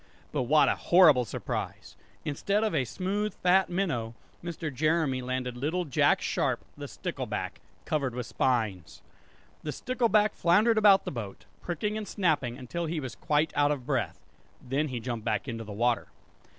But what a horrible surprise! Instead of a smooth fat minnow, Mr. Jeremy landed little Jack Sharp the stickleback, covered with spines! The stickleback floundered about the boat, pricking and snapping until he was quite out of breath. Then he jumped back into the water.